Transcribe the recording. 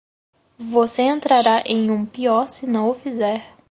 Você entrará em um pior se não o fizer.